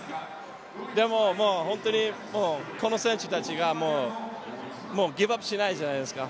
でも本当にこの選手たちはギブアップしないじゃないですか。